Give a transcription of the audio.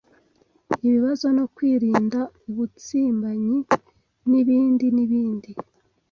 ibibazo, no kwirinda ubutsimbanyi, n’ibindi n’ibindi... “